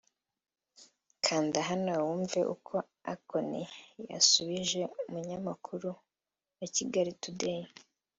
Kanda hano wumve uko Akon yasubije umunyamakuru wa Kigali Today